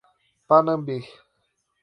Panambi